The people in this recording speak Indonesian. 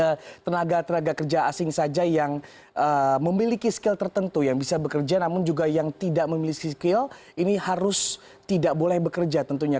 hanya tenaga tenaga kerja asing saja yang memiliki skill tertentu yang bisa bekerja namun juga yang tidak memiliki skill ini harus tidak boleh bekerja tentunya